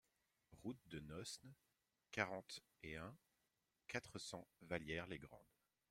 Route de Mosnes, quarante et un, quatre cents Vallières-les-Grandes